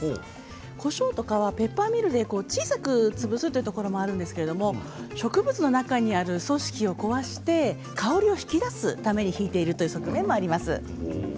こしょうとかはペッパーミルで小さく潰すというのもあるんですが植物の中にある組織を壊して香りを引き出すためにひいているという側面もあります。